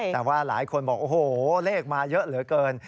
แต่ว่าหลายคนบอกโอ้โหเลขมาเยอะเหลือเกิน